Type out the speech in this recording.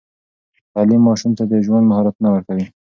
تعليم ماشوم ته د ژوند مهارتونه ورکوي.